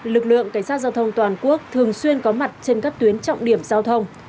lực lượng cảnh sát giao thông toàn quốc thường xuyên có mặt trên các tuyến trọng điểm giao thông